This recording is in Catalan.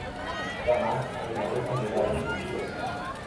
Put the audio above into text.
Demà en Nel anirà d'excursió.